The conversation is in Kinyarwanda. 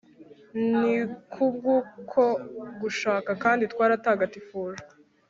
ni ku bw’uko gushaka kandi twatagatifujwe